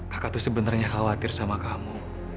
kakak tuh sebenernya khawatir sama kamu